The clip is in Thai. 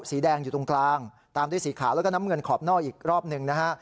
สีแดงอยู่ตรงกลางตามด้วยสีขาวแล้วก็น้ำเงินขอบนอกอีกรอบหนึ่งนะฮะ